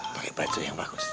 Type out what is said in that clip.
pakai baju yang bagus